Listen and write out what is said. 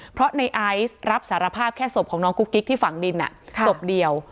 เพราะในไอซ์รับสารภาพแค่ศพของน้องกุ๊กกิ๊กที่ฝังดินศพเดียว